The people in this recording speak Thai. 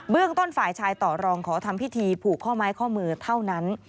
เรื่องต้นฝ่ายชายต่อรองขอทำพิธีผูกข้อไม้ข้อมือเท่านั้น